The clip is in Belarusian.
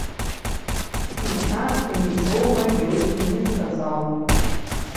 І так ты нічога ёй не сказаў?